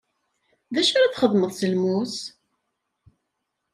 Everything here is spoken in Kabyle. D acu ara txedmeḍ s lmus?